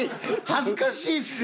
恥ずかしいですよ！